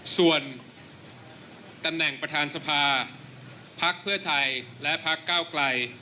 ส่วนตำแหน่งประธานสภาพักเพื่อไทยและพักเก้าไกล